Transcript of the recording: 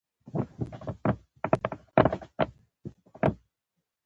زما د پايليک موضوع